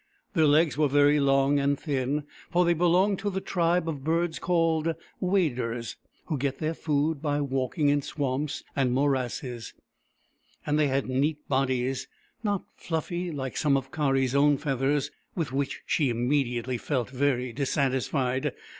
Their legs were very long and thin, for they belonged to the tribe of birds called Waders, who get their food by walking in swamps and mor asses, and they had neat bodies, not fluffy like some of Kari's own feathers — with which she immedi ately felt very dissatisfied.